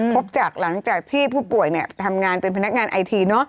พบจากหลังจากที่ผู้ป่วยทำงานเป็นพนักงานไอที